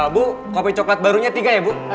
bu kopi coklat barunya tiga ya bu